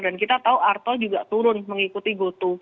dan kita tahu arto juga turun mengikuti gotoh